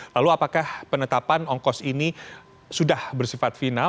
lalu apakah penetapan ongkos ini sudah bersifat final